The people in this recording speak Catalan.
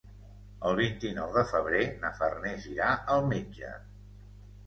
El vint-i-nou de febrer na Farners irà al metge.